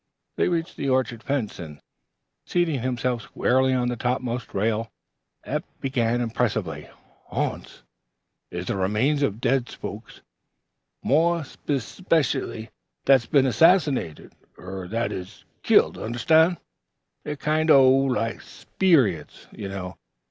They reached the orchard fence, and, seating himself squarely on the topmost rail, Eph began impressively: "Ha'nts is the remains of dead folks more 'specially them that's been assinated, er, that is, kilt understan'? They're kind o' like sperrits, ye know.